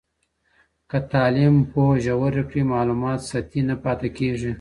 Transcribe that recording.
که تعلیم پوهه ژوره کړي، معلومات سطحي نه پاته کېږي.